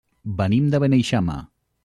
Venim de Beneixama.